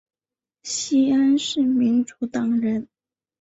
西恩是民主党人。